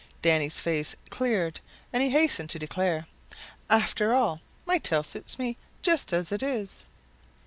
Danny's face cleared and he hastened to declare, "After all, my tail suits me just as it is."